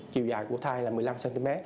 chiều dài của thai là một mươi năm cm